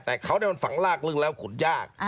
แต่เขามันฝังลากลึ่งแล้วขนยาก